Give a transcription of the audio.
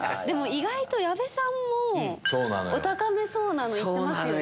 意外と矢部さんもお高めそうなのいってますよね。